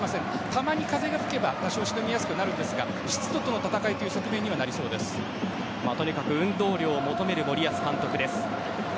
たまに風が吹けば多少しのぎやすくなるんですが湿度との戦いという側面にはとにかく運動量を求める森保監督です。